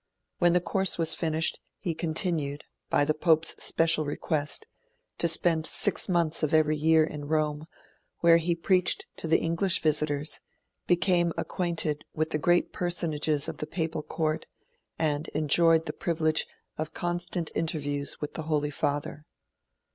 When the course was finished, he continued, by the Pope's special request, to spend six months of every year in Rome, where he preached to the English visitors, became acquainted with the great personages of the Papal court, and enjoyed the privilege of constant interviews with the Holy Father.